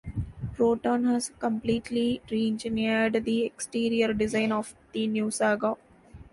Proton has completely re-engineered the exterior design of the new Saga.